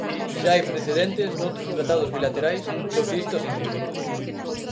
Xa hai precedentes noutros tratados bilaterais do que isto significa.